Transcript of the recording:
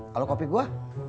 kalau kopi gue